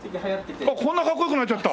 こんなかっこよくなっちゃった？